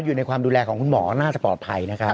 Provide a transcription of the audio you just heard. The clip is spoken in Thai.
อยู่ในความดูแลของคุณหมอน่าจะปลอดภัยนะครับ